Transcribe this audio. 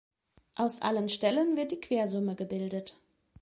Aus allen Stellen wird die Quersumme gebildet.